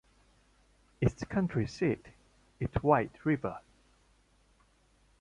Its county seat is White River.